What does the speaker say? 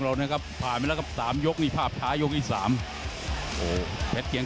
ส่องสั้นส่องสั้นส่องสั้น